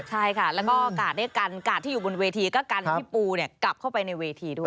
ใช่ค่ะแล้วก็กาดด้วยกันกาดที่อยู่บนเวทีก็กันพี่ปูกลับเข้าไปในเวทีด้วย